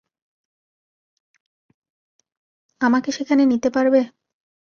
আমাকে সেখানে নিতে পারবে?